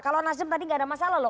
kalau nasjid tadi gak ada masalah loh